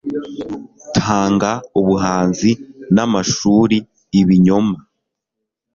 Tanga ubuhanzi n'amashuri ibinyoma.